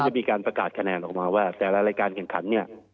มีการประกาศคะแนนออกมาว่าแต่ละรายการแข่งขันเนี่ย